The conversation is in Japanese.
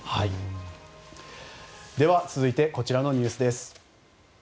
では、続いてこちらのニュースです。